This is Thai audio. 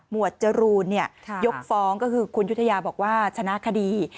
วดจรูนยกฟ้องก็คือคุณยุธยาบอกว่าชนะคดี